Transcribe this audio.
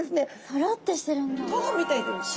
トロッてしてるんだ。